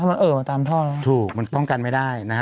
มันเอ่อมาตามท่อแล้วถูกมันป้องกันไม่ได้นะฮะ